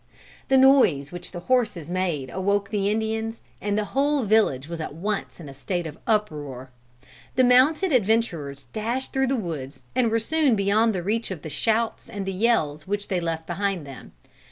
The noise which the horses made awoke the Indians, and the whole village was at once in a state of uproar. The mounted adventurers dashed through the woods and were soon beyond the reach of the shouts and the yells which they left behind them.